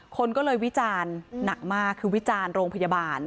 คนก็เลยวิจารณ์หนักมากคือวิจารณ์โรงพยาบาล